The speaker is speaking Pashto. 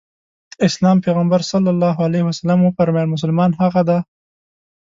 د اسلام پيغمبر ص وفرمايل مسلمان هغه دی.